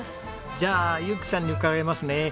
じゃあゆきさんに伺いますね。